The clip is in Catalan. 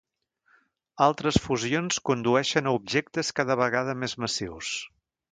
Altres fusions condueixen a objectes cada vegada més massius.